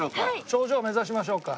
頂上目指しましょうか。